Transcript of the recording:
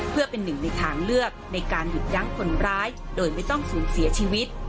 เพื่อเป็นหนึ่งในทางเลือกในการหยุดยั้งคนร้ายโดยไม่ต้องสูญเสียชีวิต